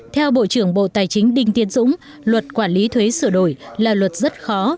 theo bộ trưởng bộ tài chính đinh tiến dũng luật quản lý thuế sửa đổi là luật rất khó